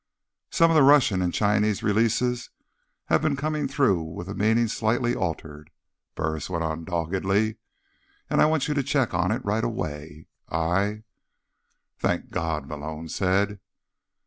"Some of the Russian and Chinese releases have come through with the meaning slightly altered," Burris went on doggedly. "And I want you to check on it right away. I—" "Thank God," Malone said.